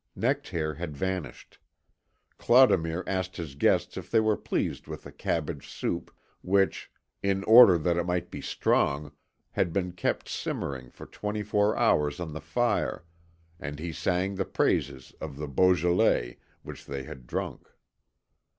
Nectaire had vanished. Clodomir asked his guests if they were pleased with the cabbage soup which, in order that it might be strong, had been kept simmering for twenty four hours on the fire, and he sang the praises of the Beaujolais which they had drunk.